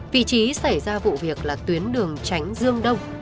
vị trí xảy ra vụ việc là tuyến đường tránh dương đông